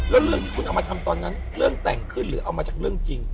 แล้วเรื่องที่คุณเอามาทำตอนนั้นเรื่องแต่งขึ้นหรือเอามาจากเรื่องจริง